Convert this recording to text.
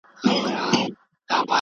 زه اجازه لرم چې کتاب واخلم.